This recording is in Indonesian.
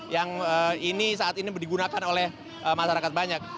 yang ini saat ini digunakan oleh masyarakat banyak